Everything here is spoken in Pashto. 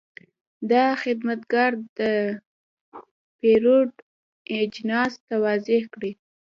دا خدمتګر د پیرود اجناس توضیح کړل.